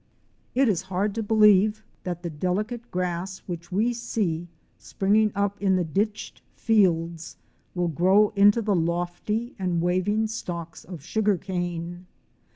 It is hard to believe that the delicate grass which we see springing up in the ditched fields will grow into the lofty and waving stalks of sugar cane.